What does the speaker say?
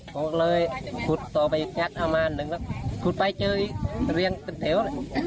พอเลยขุดต่อไปอย่างนี้ขุดไปเจออีกเรืองกันแถว